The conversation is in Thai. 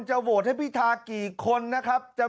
โหวตให้พิธากี่คนนะครับ